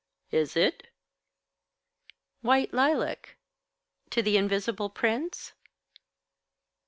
"Is it?" "White lilac to the Invisible Prince?"